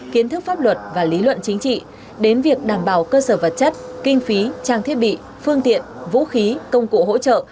kiến thức pháp luật và lý luận chính trị đến việc đảm bảo cơ sở vật chất kinh phí trang thiết bị phương tiện vũ khí công cụ hỗ trợ